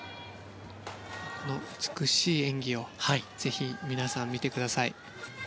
美しい演技をぜひ皆さん、見てください。